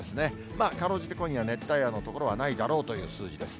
まあ、かろうじて今夜、熱帯夜の所はないだろうという数字です。